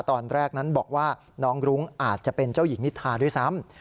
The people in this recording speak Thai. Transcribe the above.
ตอนแรกนั้นบอกว่าน้องรุ้งอาจจะเป็นเจ้าหญิงนิทาด้วยซ้ำ